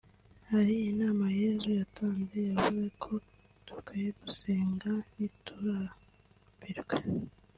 Hari inama Yesu yatanze yavuze ko dukwiye gusenga ntiturambirwe